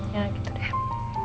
ya gitu deh